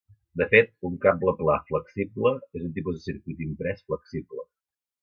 De fet, un cable pla flexible és un tipus de circuit imprès flexible.